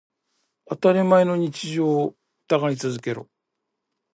当たり前の日常を疑い続けろ。